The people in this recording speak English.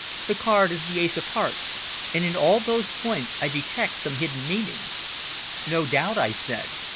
The card is the ace of hearts, and in all those points I detect some hidden meaning." "No doubt," I said.